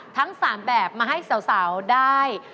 ทั้ง๓แบบมาให้สาวได้